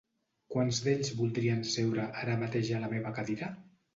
Quants d'ells voldrien seure ara mateix a la meva cadira?